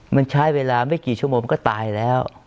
มันใช้เวลาไม่กี่ชั่วโมงก็ตายแล้ว